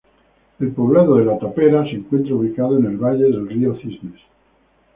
El Poblado de La Tapera se encuentra ubicado en el Valle del Río Cisnes.